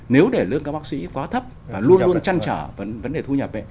nếu để lương các bác sĩ quá thấp luôn luôn chăn trở vấn đề thu nhập